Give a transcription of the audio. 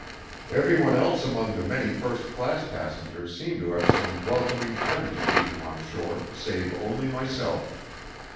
Everyone else among the many first class passengers seemed to have some welcoming friend to greet him on shore save only myself.